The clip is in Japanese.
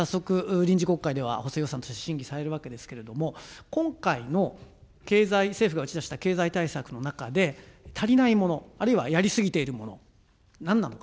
早速、臨時国会では補正予算案として審議されるわけですけれども、今回の政府が打ち出した経済対策の中で、足りないもの、あるいはやり過ぎているもの、なんなのか。